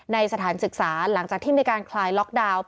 สถานศึกษาหลังจากที่มีการคลายล็อกดาวน์